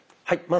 はい。